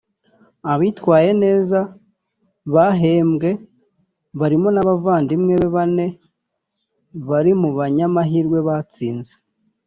Abitwaye neza bahembwe barimo n’abavandimwe be bane bari mu banyamahirwe batsinze